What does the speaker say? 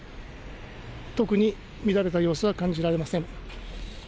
特に乱れた様子は感じられません。